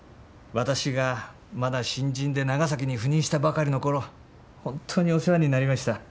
私がまだ新人で長崎に赴任したばかりの頃本当にお世話になりました。